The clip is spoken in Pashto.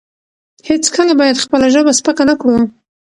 هیڅکله باید خپله ژبه سپکه نه کړو.